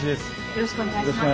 よろしくお願いします。